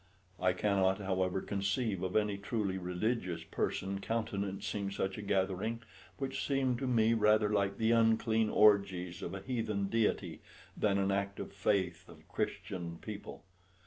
I cannot, however, conceive of any truly religious person countenancing such a gathering, which seemed to me rather like the unclean orgies of a heathen deity than an act of faith of Christian people.